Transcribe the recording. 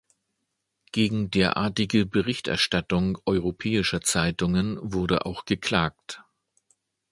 Gegen derartige Berichterstattung europäischer Zeitungen wurde auch geklagt.